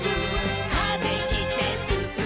「風切ってすすもう」